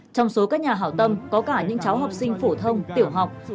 trong số các nhà hảo tâm có cả những cháu học sinh phổ thông tiểu học